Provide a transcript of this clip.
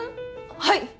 はい！